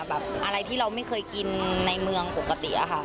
แบบอะไรที่เราไม่เคยกินในเมืองปกติอะค่ะ